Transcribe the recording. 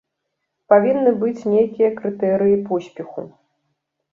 Павінны быць нейкія крытэрыі поспеху.